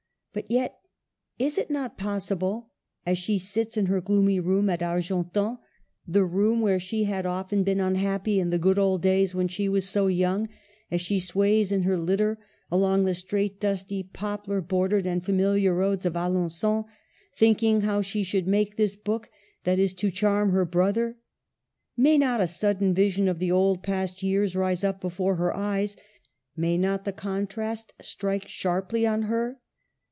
But yet, — is it not possible? — as she sits in her gloomy room at Argentan, the room where she had often been unhappy in the good old days when she was so young, as she sways in her litter along the straight, dusty, poplar bordered and familiar roads of Alengon, thinking how she shall make this book that is to charm her brother, may not a sudden vision of the old past years rise up before her eyes; may not the contrast strike sharply on her?